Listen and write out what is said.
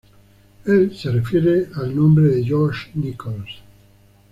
Él se refiere al nombre de Josh Nichols.